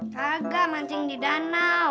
kagak mancing di danau